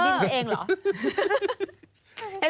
ดิงเองเหรอ